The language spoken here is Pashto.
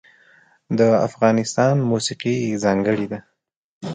د افغانستان موسیقی ځانګړې ده